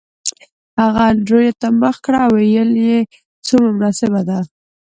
هغه انډریو ته مخ کړ او ویې ویل څومره مناسبه ده